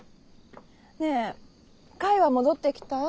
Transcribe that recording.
ねえ櫂は戻ってきた？